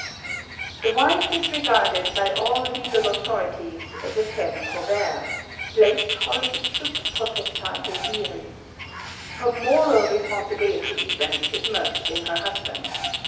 "The wife is regarded by all legal authorities as a feme covert, placed wholly sub potestate viri. Her moral responsibility, even, is merged in her husband.